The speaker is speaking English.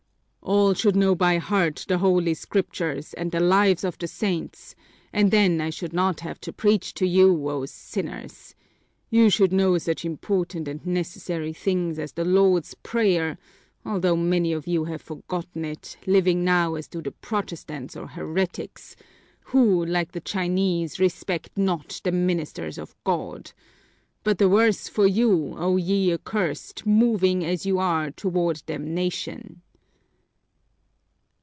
"All should know by heart the Holy Scriptures and the lives of the saints and then I should not have to preach to you, O sinners! You should know such important and necessary things as the Lord's Prayer, although many of you have forgotten it, living now as do the Protestants or heretics, who, like the Chinese, respect not the ministers of God. But the worse for you, O ye accursed, moving as you are toward damnation!"